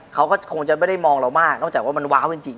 เขาก็คงจะไม่ได้มองเรามากนอกจากว่ามันว้าวจริง